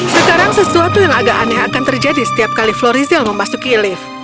sekarang sesuatu yang agak aneh akan terjadi setiap kali florizel memasuki lift